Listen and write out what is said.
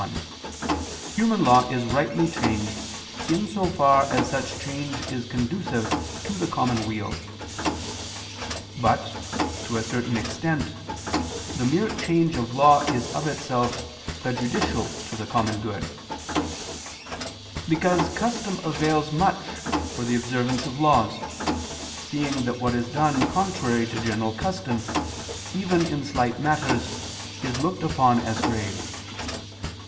1), human law is rightly changed, in so far as such change is conducive to the common weal. But, to a certain extent, the mere change of law is of itself prejudicial to the common good: because custom avails much for the observance of laws, seeing that what is done contrary to general custom, even in slight matters, is looked upon as grave.